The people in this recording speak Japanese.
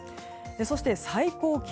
そして、最高気温。